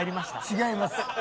違います。